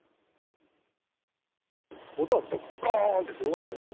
音はどっこーんってすごかったですよ。